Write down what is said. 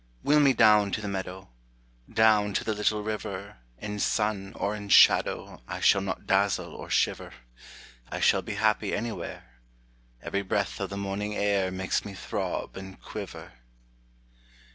Wheel me down to the meadow, Down to the little river, In sun or in shadow I shall not dazzle or shiver, I shall be happy anywhere, Every breath of the morning air Makes me throb and quiver.